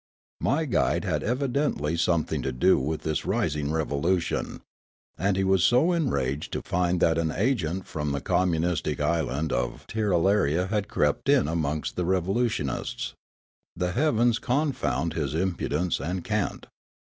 My guide had evidently something to do with this rising revolution ; and he was so enraged to find that an agent from the com munistic island of Tirralaria had crept in amongst the Freedom and Revolution 113 revolutionists. The heavens confound his impudence and cant